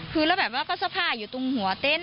คือแบบว่าก็สภาพอยู่ตรงหัวเต็นต์